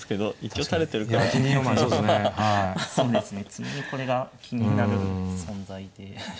常にこれが気になる存在で。